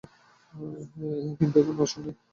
কিন্তু তখন আর সময় নাই।